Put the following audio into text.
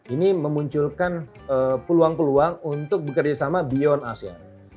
ini memunculkan peluang peluang untuk bekerjasama beyond asean